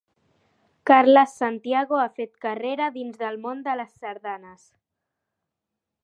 Carles Santiago ha fet carrera dins del món de les sardanes.